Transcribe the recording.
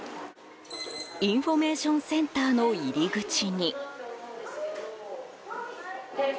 インフォメーションセンターの入り口に。